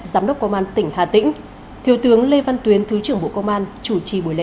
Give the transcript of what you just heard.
giám đốc công an tỉnh hà tĩnh thiếu tướng lê văn tuyến thứ trưởng bộ công an chủ trì buổi lễ